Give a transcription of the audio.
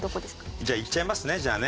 じゃあ言っちゃいますねじゃあね。